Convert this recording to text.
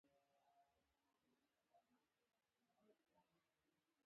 لوی څښتن دې يې وبخښي، ډېر ښه سړی وو